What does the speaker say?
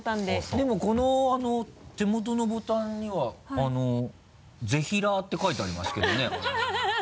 でもこの手元のボタンには「ぜひらー」って書いてありますけどね。